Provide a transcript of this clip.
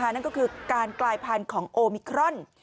นั่นก็คือการกลายพันธุ์ของโอมิครอน